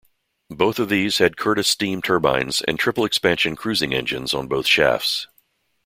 Both of these had Curtis steam turbines and triple-expansion cruising engines on both shafts.